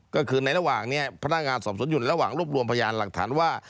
ก็คือในระหว่างนี้พนักงานสอบสวนอยู่ระหว่างรวบรวมพยานหลักฐานว่า